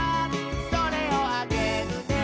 「それをあげるね」